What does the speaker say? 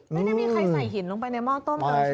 ไม่ได้มีใครใส่หินลงไปในหม้อต้มเลยใช่ไหม